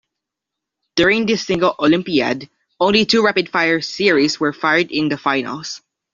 During this single Olympiad, only two rapid fire series were fired in the finals.